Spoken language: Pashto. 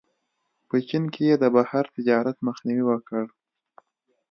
په چین کې یې د بهر تجارت مخنیوی وکړ.